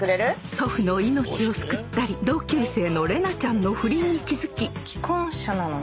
祖父の命を救ったり同級生の玲奈ちゃんの不倫に気付き既婚者なのね。